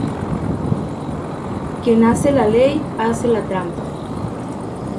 Quien hace la ley hace la trampa.